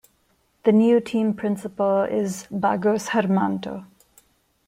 The new team principal is Bagoes Hermanto.